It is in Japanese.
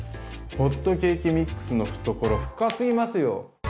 ホットケーキミックスの懐深すぎますよ。